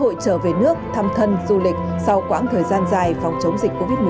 việt nam sẽ có cơ hội trở về nước thăm thân du lịch sau quãng thời gian dài phòng chống dịch covid một mươi chín